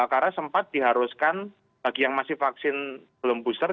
karena sempat diharuskan bagi yang masih vaksin belum booster